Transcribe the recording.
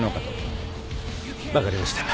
分かりました。